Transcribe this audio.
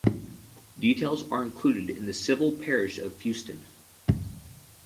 Details are included in the civil parish of Fewston.